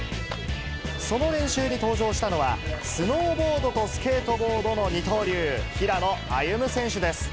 その練習に登場したのは、スノーボードとスケートボードの二刀流、平野歩夢選手です。